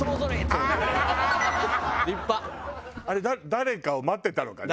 誰かを待ってたのかね？